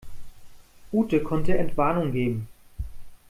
Ute konnte Entwarnung geben.